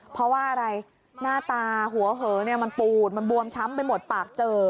เพราะว่าอะไรหน้าตาหัวเหอมันปูดมันบวมช้ำไปหมดปากเจอ